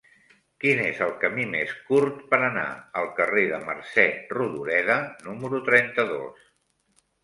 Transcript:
Quin és el camí més curt per anar al carrer de Mercè Rodoreda número trenta-dos?